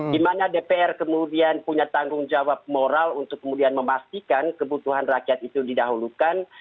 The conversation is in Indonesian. di mana dpr kemudian punya tanggung jawab moral untuk kemudian memastikan kebutuhan rakyat itu didahulukan